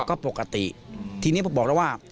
ก็ปกติทีนี้ผมบอกแล้วว่า